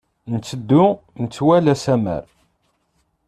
Nteddu metwal asammar.